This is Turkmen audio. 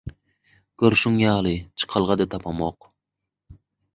Görşüň ýaly, çykalga-da tapamok.